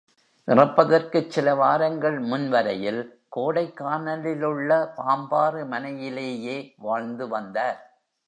இறப்பதற்குச் சிலவாரங்கள் முன் வரையில் கோடைக்கானலிலுள்ள பாம்பாறு மனை யிலேயே வாழ்ந்து வந்தார்.